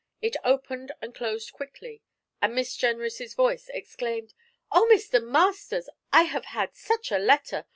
It opened and closed quickly, and Miss Jenrys' voice exclaimed: 'Oh, Mr. Masters! I have had such a letter!